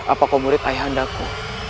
apakah murid ayah andaku